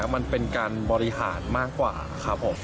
มันเป็นการบริหารมากกว่าครับผม